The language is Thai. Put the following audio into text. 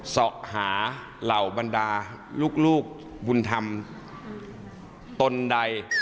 เสาะหาเหล่าบรรดาลูกบุญธรรมตนใด